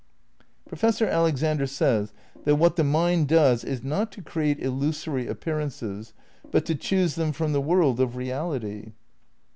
Professor Alexander says that what the mind does is not to create illusory appearances but "to choose them from the world of reality.